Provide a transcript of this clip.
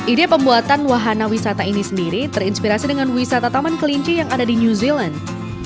ide pembuatan wahana wisata ini sendiri terinspirasi dengan wisata taman kelinci yang ada di new zealand